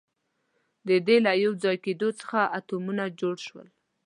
د دې له یوځای کېدو څخه اتمونه جوړ شول.